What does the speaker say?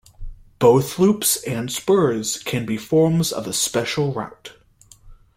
Both loops and spurs can be forms of a special route.